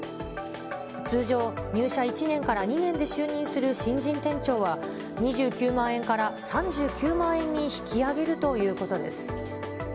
通常、入社１年から２年で就任する新人店長は、２９万円から３９万円に引き上げるということです。